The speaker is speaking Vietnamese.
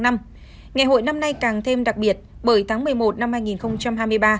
ngày hội năm nay càng thêm đặc biệt bởi tháng một mươi một năm hai nghìn hai mươi ba